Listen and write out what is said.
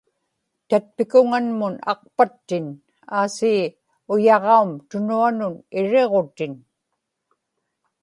tatpikuŋanmun aqpattin aasii uyaġaum tunuanun iriġutin